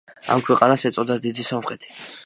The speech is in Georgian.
ამ ქვეყანას ეწოდა დიდი სომხეთი.